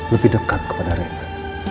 lebih dekat kepada rena